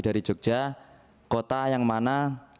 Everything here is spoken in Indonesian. dari jogja kota yang mana